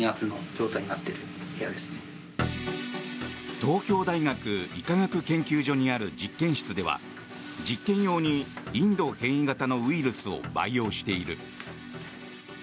東京大学医科学研究所にある実験室では実験用にインド変異型のウイルスを培養している。